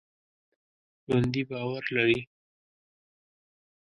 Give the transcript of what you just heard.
ژوندي باور لري